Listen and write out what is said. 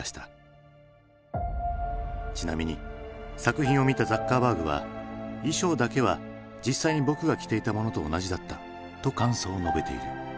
ちなみに作品を見たザッカーバーグは「衣装だけは実際に僕が着ていたものと同じだった」と感想を述べている。